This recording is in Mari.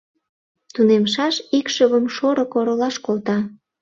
Тунемшаш икшывым шорык оролаш колта.